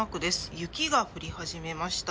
雪が降り始めました。